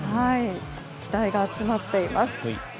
期待が集まっています。